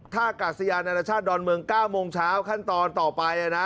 ท่ากาศยานานาชาติดอนเมือง๙โมงเช้าขั้นตอนต่อไปนะ